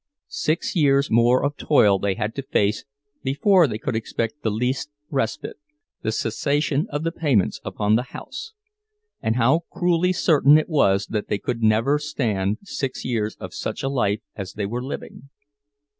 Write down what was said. Six years more of toil they had to face before they could expect the least respite, the cessation of the payments upon the house; and how cruelly certain it was that they could never stand six years of such a life as they were living!